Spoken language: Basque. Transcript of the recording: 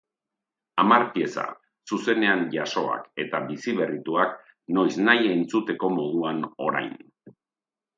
Hamar pieza, zuzenean jasoak eta biziberrituak, noiznahi entzuteko moduan orain.